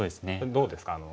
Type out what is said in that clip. どうですか？